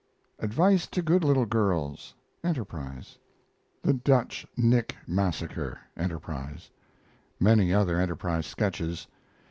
ADVICE TO GOOD LITTLE GIRLS Enterprise. THE DUTCH NICK MASSACRE Enterprise. Many other Enterprise sketches.